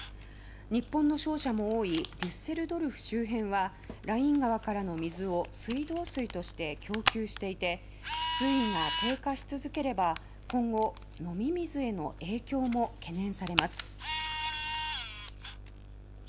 日本の商社も多いデュッセルドルフ周辺はライン川からの水を水道水として供給していて水位が低下し続ければ今後、飲み水への影響も懸念されます。